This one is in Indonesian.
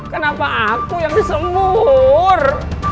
kenapa aku yang disembur